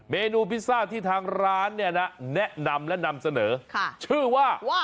เมนูพิซซ่าที่ทางร้านเนี่ยนะแนะนำและนำเสนอชื่อว่า